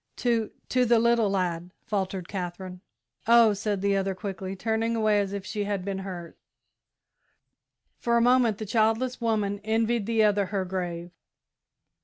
"To to the little lad," faltered Katherine. "Oh," said the other, quickly, turning away as if she had been hurt. For a moment the childless woman envied the other her grave.